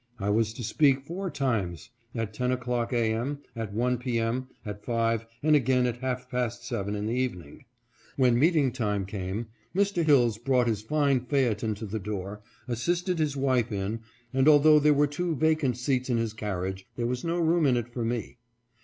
I was to speak four times : at ten o'clock a. m., at one p. m., at five, and again at half past seven in the evening. When meeting time came, Mr. Hilles brought his fine phaeton to the door, assisted his wife in, and, although there were two vacant seats in his carriage, there was no room in it for me.